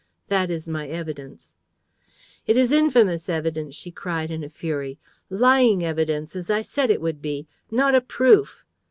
That is my evidence." "It is infamous evidence!" she cried, in a fury. "Lying evidence, as I said it would be! Not a proof!"